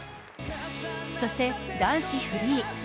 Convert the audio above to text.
そして男子フリー。